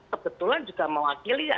kebetulan juga mewakili